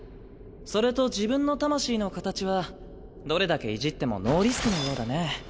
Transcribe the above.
それと自分の魂の形はどれだけいじってもノーリスクのようだね。